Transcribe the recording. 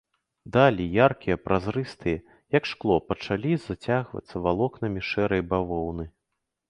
Далі, яркія, празрыстыя, як шкло, пачалі зацягвацца валокнамі шэрай бавоўны.